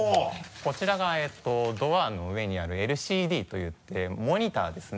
こちらがドアの上にあるＬＣＤといってモニターですね。